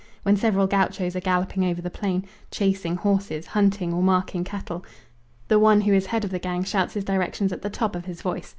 When several gauchos are galloping over the plain, chasing horses, hunting or marking cattle, the one who is head of the gang shouts his directions at the top of his voice.